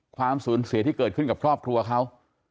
ความสูญเสียที่เกิดขึ้นกับครอบครัวเขา